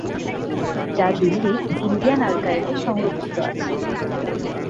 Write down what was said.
যা দিল্লির ইন্ডিয়ান আর্কাইভে সংরক্ষিত আছে।